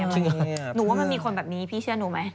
หนูว่ามันมีคนแบบนี้พี่เชื่อหนูไหม